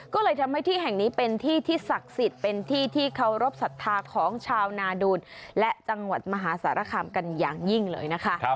ก็เลยทำให้ที่แห่งนี้เป็นที่ที่ศักดิ์สิทธิ์เป็นที่ที่เคารพสัทธาของชาวนาดูลและจังหวัดมหาสารคามกันอย่างยิ่งเลยนะคะ